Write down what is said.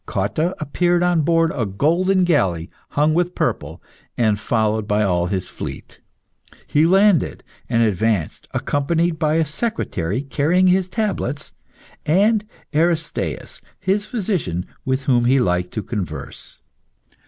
Cotta appeared on board a golden galley hung with purple, and followed by all his fleet. He landed, and advanced, accompanied by a secretary carrying his tablets, and Aristaeus, his physician, with whom he liked to converse.